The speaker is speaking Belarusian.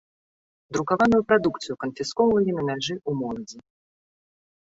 Друкаваную прадукцыю канфіскоўвалі на мяжы ў моладзі.